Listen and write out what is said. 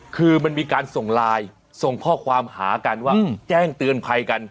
คือมันมีการส่งไลน์ส่งข้อความหากันว่าแจ้งเตือนภัยกัน